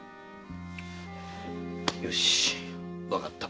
よしわかった。